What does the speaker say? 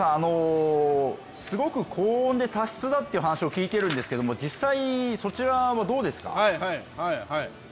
すごく高温で多湿だって話を聞いているんですけれども実際そちらはどうですか？